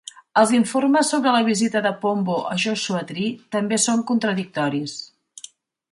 Els informes sobre la visita de Pombo a Joshua Tree també són contradictoris.